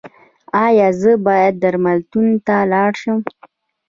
ایا زه باید درملتون ته لاړ شم؟